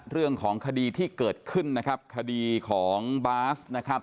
เรื่องของคดีที่เกิดขึ้นนะครับคดีของบาสนะครับ